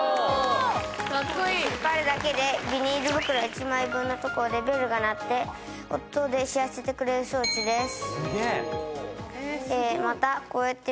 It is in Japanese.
カッコイイ引っ張るだけでビニール袋１枚分のところでベルが鳴って音で知らせてくれる装置ですすげえ